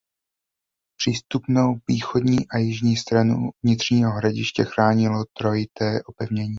Přístupnou východní a jižní stranu vnitřního hradiště chránilo trojité opevnění.